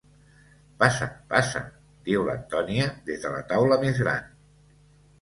Passa, passa —diu l'Antonia des de la taula més gran—.